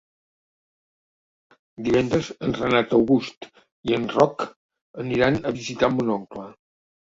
Divendres en Renat August i en Roc aniran a visitar mon oncle.